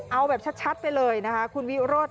เอาแบบชัดไปเลยนะคะคุณวิโรธ